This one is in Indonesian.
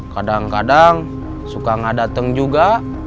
kadang kadang suka gak datang juga